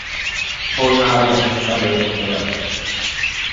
Foi na área sanitaria de Pontevedra.